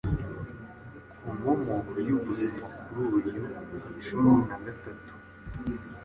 ku nkomoko y’ubuzima kuri uyu wa cumi nagatatu